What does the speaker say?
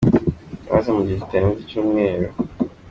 Mwibaze: mu gihe kitarenze icyumweru.